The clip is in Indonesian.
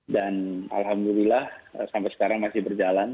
dan alhamdulillah sampai sekarang masih berjalan